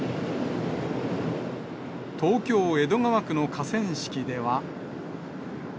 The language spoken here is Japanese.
東京・江戸川区の河川敷では。